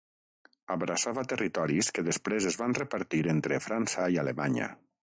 Abraçava territoris que després es van repartir entre França i Alemanya.